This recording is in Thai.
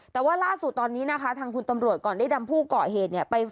แต่ว่าราสุทธิ์ตอนนี้นะคะทางคุณตำรวจก่อนได้ดำผู้เกาะเหตุ